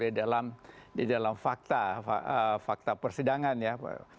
itu terungkap di dalam fakta persidangan ya